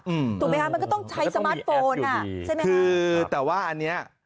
ถูกไหมคะมันก็ต้องใช้สมาร์ทโฟนอ่ะใช่ไหมคะคือแต่ว่าอันเนี้ย